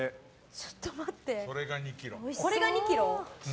ちょっと待ってこれが２ｋｇ？